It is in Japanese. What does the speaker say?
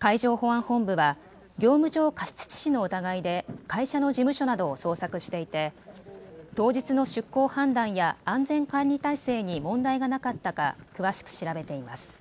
海上保安本部は業務上過失致死の疑いで会社の事務所などを捜索していて当日の出航判断や安全管理体制に問題がなかったか詳しく調べています。